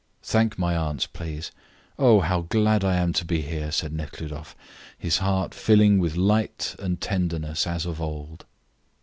"Thank my aunts, please. Oh, how glad I am to be here," said Nekhludoff, his heart filling with light and tenderness as of old.